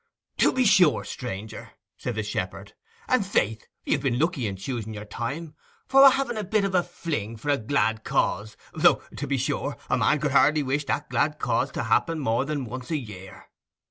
'To be sure, stranger,' said the shepherd. 'And faith, you've been lucky in choosing your time, for we are having a bit of a fling for a glad cause—though, to be sure, a man could hardly wish that glad cause to happen more than once a year.